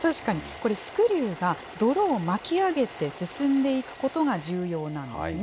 これ、スクリューが泥を巻き上げて進んでいくことが重要なんですね。